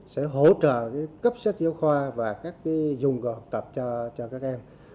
sẽ hỗ trợ cấp sách giáo khoa và các dụng cụ học tập cho các em